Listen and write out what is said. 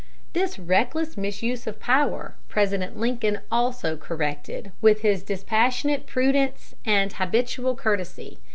This reckless misuse of power President Lincoln also corrected with his dispassionate prudence and habitual courtesy.